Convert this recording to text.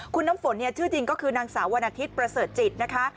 คุณน้ำฝนชื่อจริงก็คือนางสาววันอาทิตย์ประเสริฐจิตนะคะ